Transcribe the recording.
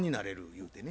言うてね。